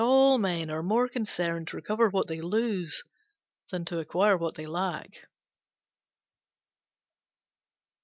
All men are more concerned to recover what they lose than to acquire what they lack.